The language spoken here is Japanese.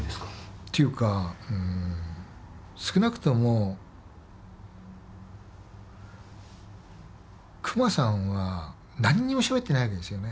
っていうかうん少なくとも久間さんは何にもしゃべってないわけですよね。